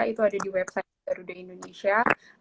itu ada di website garuda indonesia